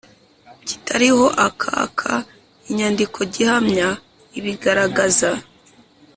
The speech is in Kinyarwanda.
kitariho akaka inyandikogihamya ibigaragaza